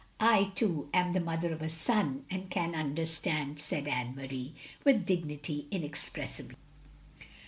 I too am the mother of a son, and can understand," said Anne Marie, with dignity inexpressible.